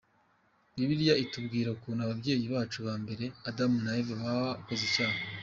Bibiliya itubwira ukuntu ababyeyi bacu ba mbere Adamu na Eva bakoze icyaha.